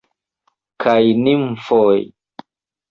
kaj nimfoj.